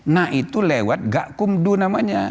nah itu lewat gak kumdu namanya